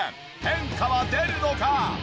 変化は出るのか？